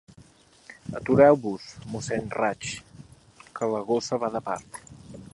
Atureu-vos, mossèn Raig, que la gossa va de part.